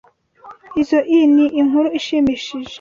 Izoi ni inkuru ishimishije.